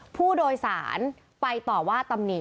ผู้โดยสารไปต่อว่าตำหนิ